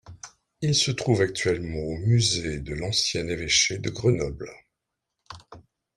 Il se trouve actuellement au musée de l'Ancien Évêché de Grenoble.